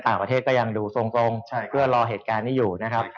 ต่างประเทศก็ยังดูทรงเพื่อรอเหตุการณ์นี้อยู่นะครับ